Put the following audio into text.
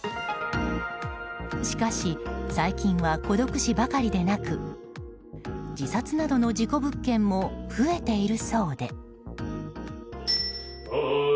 しかし、最近は孤独死ばかりでなく自殺などの事故物件も増えているそうで。